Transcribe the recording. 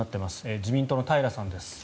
自民党の平さんです。